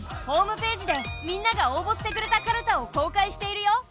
ホームページでみんなが応ぼしてくれたかるたを公開しているよ。